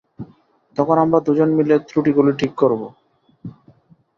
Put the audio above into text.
তখন আমরা দু জন মিলে ত্রুটিগুলি ঠিক করব।